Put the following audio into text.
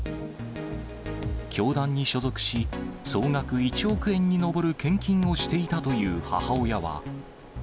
教団に所属し、総額１億円に上る献金をしていたという母親は。